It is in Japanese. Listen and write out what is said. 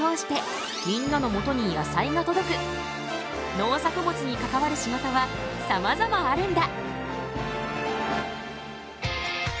農作物に関わる仕事はさまざまあるんだ。